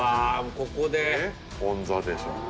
ここでオン・ザでしょうね